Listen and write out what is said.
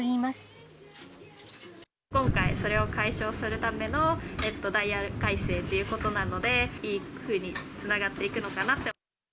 今回、それを解消するためのダイヤ改正ということなので、いいふうにつながっていくのかなと。